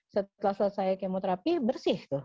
selesai kemoterapi bersih tuh